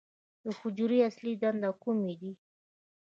د حجرې اصلي دندې کومې دي؟